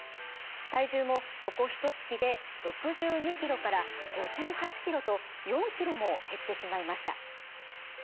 体重もここひとつきで６２キロから５８キロと４キロも減ってしまいました。